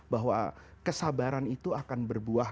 bahwa kesabaran itu akan berbuah